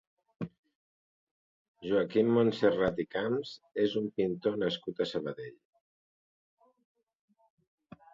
Joaquim Montserrat i Camps és un pintor nascut a Sabadell.